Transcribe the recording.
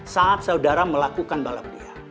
saat saudara melakukan balap liar